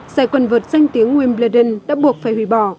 giải quần vợt danh tiếng wimbledon đã buộc phải hủy bỏ